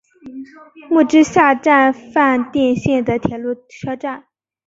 木之下站饭田线的铁路车站。